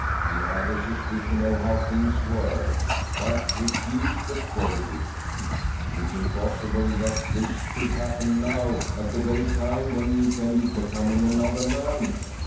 He had a suspicion of how things were, but refused to credit it. It is impossible that this should happen now, at the very time when he intended becoming another man.